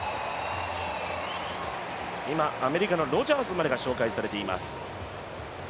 今、アメリカのロジャースまでが紹介されています。